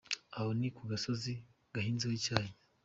aha ni ku gasozi gahinzeho icyayi.